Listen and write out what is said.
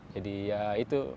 jadi ya itu